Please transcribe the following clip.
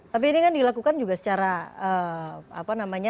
tapi ini kan dilakukan juga secara apa namanya